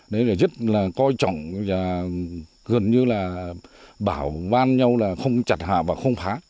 đấy là rất là coi trọng và gần như là bảo van nhau là không chặt hạ và không phá